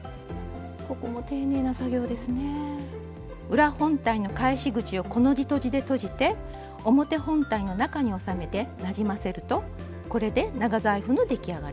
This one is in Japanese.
裏本体の返し口をコの字とじでとじて表本体の中に収めてなじませるとこれで長財布の出来上がりです。